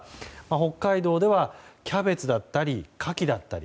北海道ではキャベツだったりカキだったり。